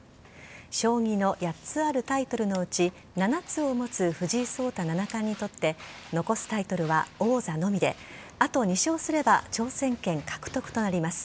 将棋の８つあるタイトルのうち７つを持つ藤井聡太七冠にとって残すタイトルは王座のみであと２勝すれば挑戦権獲得となります。